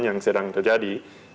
yang sedang terjadi